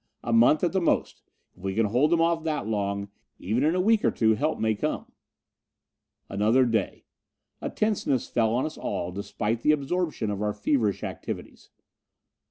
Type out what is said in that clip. "A month at the most. If we can hold them off that long even in a week or two help may come." Another day. A tenseness fell on us all, despite the absorption of our feverish activities.